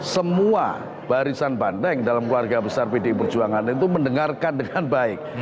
semua barisan bandeng dalam keluarga besar pdi perjuangan itu mendengarkan dengan baik